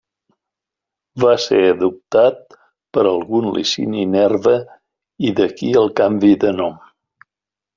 Va ser adoptat per algun Licini Nerva i d'aquí el canvi de nom.